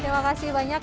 terima kasih banyak